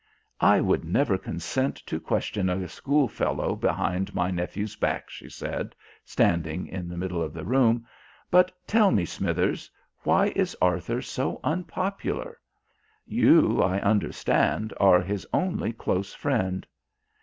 "I would never consent to question a schoolfellow behind my nephew's back," she said, standing in the middle of the room, "but tell me, Smithers, why is Arthur so unpopular? You, I understand, are his only close friend."